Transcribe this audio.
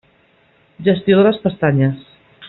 Gestió de les pestanyes.